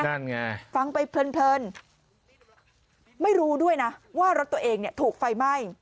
นั่นไงฟังไปเพลินไม่รู้ด้วยนะว่ารถตัวเองเนี่ยถูกไฟไหม้